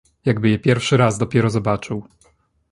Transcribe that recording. "Jakby je pierwszy raz dopiero zobaczył."